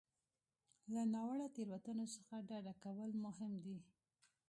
له ناوړه تېروتنو څخه ډډه کول مهم دي.